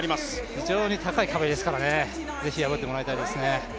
非常に高い壁ですから是非破ってほしいですね。